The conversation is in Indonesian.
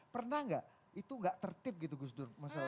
pernah gak itu gak tertib gitu gus dur masalah itu